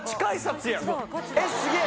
えっすげぇ！